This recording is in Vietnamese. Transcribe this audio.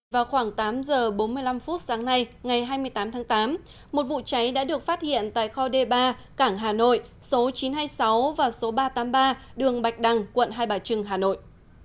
vào khoảng tám giờ bốn mươi năm phút sáng nay ngày hai mươi tám tháng tám một vụ cháy đã được phát hiện tại kho d ba cảng hà nội số chín trăm hai mươi sáu và số ba trăm tám mươi ba đường bạch đăng quận hai bà trưng hà nội